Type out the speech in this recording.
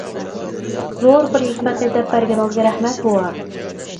-زور بىر ھېكمەتنى دەپ بەرگىنىڭىزگە رەھمەت بوۋا.